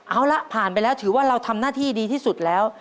เอาละผ่านไปแล้วถือว่าเราทำหน้าที่ดีที่สุดแล้ว